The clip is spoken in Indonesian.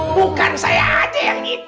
bukan saya aja yang gitu